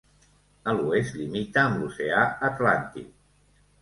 A l'oest limita amb l'Oceà Atlàntic.